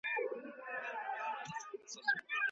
خوږې مېوې نه پرېښودل کېږي.